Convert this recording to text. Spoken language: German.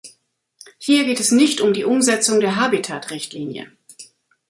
Hier geht es nicht um die Umsetzung der Habitat-Richtlinie.